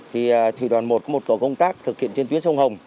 thì đoàn một có một tổ công tác thực hiện trên tuyến sông hồng